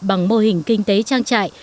bằng mô hình kinh tế trang trại